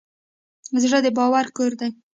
زړه د باور کور دی.